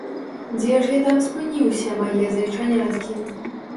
Дзе ж я там спыніўся, мае зайчаняткі?